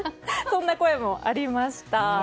そんな声もありました。